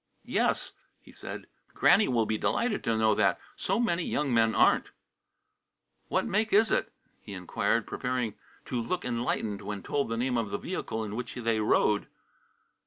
"Yes," he said. "Granny will be delighted to know that. So many young men aren't." "What make is it?" he inquired, preparing to look enlightened when told the name of the vehicle in which they rode.